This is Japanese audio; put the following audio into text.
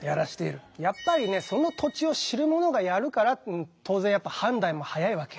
やっぱりねその土地を知る者がやるから当然やっぱ判断も早いわけ。